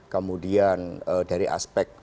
kemudian dari aspek